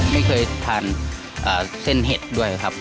ไม่เคยทานเส้นเห็ดด้วยครับ